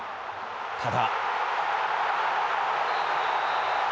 ただ。